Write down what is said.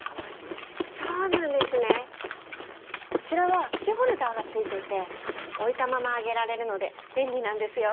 こちらは串ホルダーがついていて置いたまま揚げられるので便利なんですよ。